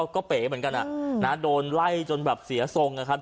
ก็เป๋เหมือนกันโดนไล่จนแบบเสียทรงนะครับ